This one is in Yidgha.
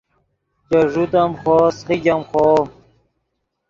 چے ݱوت ام خوو سیخیګ ام خوو